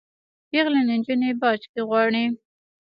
پیغلي نجوني باج کي غواړي